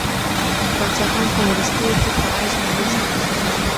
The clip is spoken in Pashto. پاچاهان په وروستیو کي په عیش او نوش اخته کیږي.